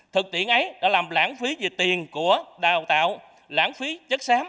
thực tiễn ấy đã làm lãng phí về tiền của đào tạo lãng phí chất xám